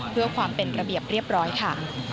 เพื่อความเป็นระเบียบเรียบร้อยค่ะ